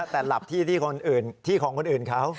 แต่หลับที่ของคนอื่นเขา